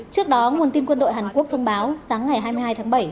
trước đó nguồn tin quân đội hàn quốc thông báo sáng ngày hai mươi hai tháng bảy